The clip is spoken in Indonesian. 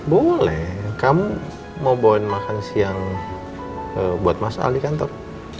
boleh kamu mau bawain makan siang buat mas ali kantor